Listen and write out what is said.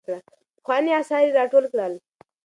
پخواني اثار يې راټول کړل.